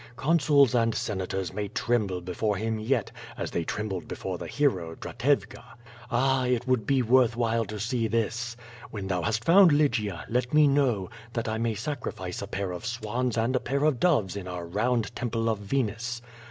Consuls and Senators may tremble before him yet, as they trembled before the hero, Dratevka. Ah, it would be worth while to see this! When thou hast found Lygia, let me know, that I may sacrifice a pair of swans and a pair of doves in our round Temple of Venus.